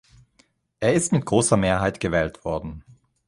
Er ist mit großer Mehrheit gewählt worden.